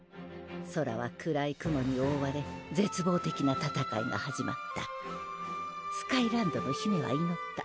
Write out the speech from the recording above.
「空はくらい雲におおわれ絶望的な戦いが始まった」「スカイランドの姫はいのった」